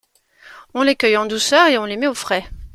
On les cueille en douceur et on les met au frais.